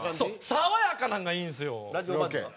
爽やかなのがいいんですよ。